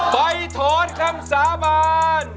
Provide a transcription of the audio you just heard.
ไปถอนคำสาบาน